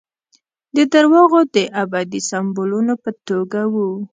د درواغو د ابدي سمبولونو په توګه وو.